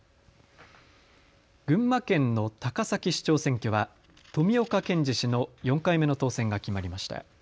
群馬県の高崎市長選挙は富岡賢治氏の４回目の当選が決まりました。